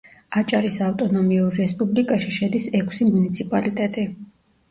აჭარის ავტონომიურ რესპუბლიკაში შედის ექვსი მუნიციპალიტეტი.